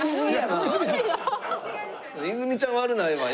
泉ちゃん悪ないわ。